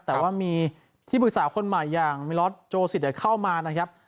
แต่ว่ามีที่ปรึกษาคนใหม่อย่างมิล็อตโจสิตเข้ามานะครับ